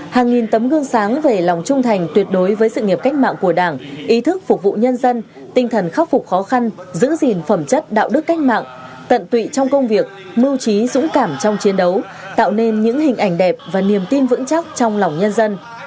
hàng nghìn tấm gương sáng về lòng trung thành tuyệt đối với sự nghiệp cách mạng của đảng ý thức phục vụ nhân dân tinh thần khắc phục khó khăn giữ gìn phẩm chất đạo đức cách mạng tận tụy trong công việc mưu trí dũng cảm trong chiến đấu tạo nên những hình ảnh đẹp và niềm tin vững chắc trong lòng nhân dân